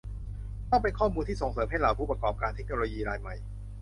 ต้องเป็นข้อมูลที่ส่งเสริมให้เหล่าผู้ประกอบการเทคโนโลยีรายใหม่